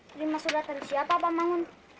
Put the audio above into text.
terima sudah dari siapa pak mangun